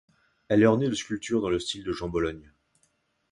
Elle est ornée de sculptures dans le style de Jean Bologne.